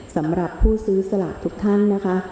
สำหรับผู้ซื้อสลากทุกท่านนะคะ